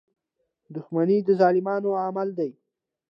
• دښمني د ظالمانو عمل دی.